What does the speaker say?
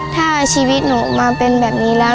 ถ้าชีวิตหนูมาเป็นแบบนี้แล้ว